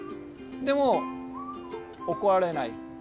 でも怒られない。